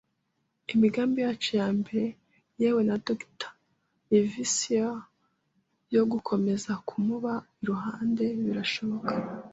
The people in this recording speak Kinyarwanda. imigambi yacu ya mbere - yewe na Dr. Livesey, yo gukomeza kumuba iruhande - birashoboka